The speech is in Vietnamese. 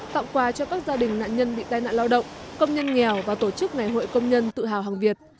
tặng quà cho các gia đình nạn nhân bị tai nạn lao động công nhân nghèo và tổ chức ngày hội công nhân tự hào hàng việt